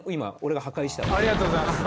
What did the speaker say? ありがとうございます。